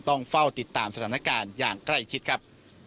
ต้องเฝ้าติดตามสถานการณ์อย่างใกล้ชิดครับ